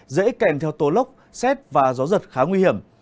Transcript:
dễ kèm theo tố lốc xét và gió giật khá nguy hiểm